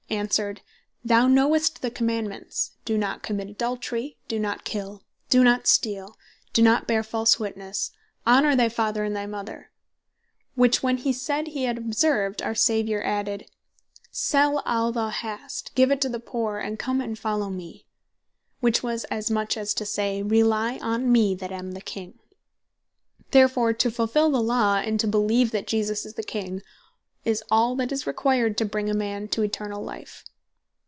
Answered (verse 20) "Thou knowest the Commandements, Doe not commit Adultery, Doe not Kill, Doe not Steal, Doe not bear false witnesse, Honor thy Father, and thy Mother;" which when he said he had observed, our Saviour added, "Sell all thou hast, give it to the Poor, and come and follow me:" which was as much as to say, Relye on me that am the King: Therefore to fulfill the Law, and to beleeve that Jesus is the King, is all that is required to bring a man to eternall life.